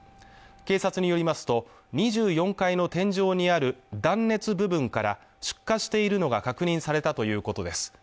警察によりますと２４階の天井にある断熱部分から出火しているのが確認されたということです